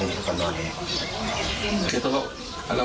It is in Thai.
เป็นพี่เป็นน้องกันโตมาด้วยกันตั้งแต่แล้ว